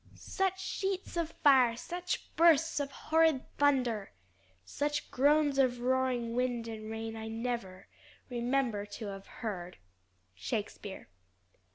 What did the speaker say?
"Such sheets of fire, such bursts of horrid thunder, Such groans of roaring wind and rain, I never Remember to have heard." SHAKESPEARE.